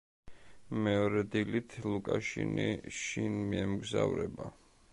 მეორე დილით ლუკაშინი შინ მიემგზავრება.